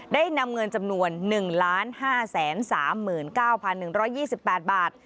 ได้นำเงินจำนวน๑๕๓๙๑๒๘บาท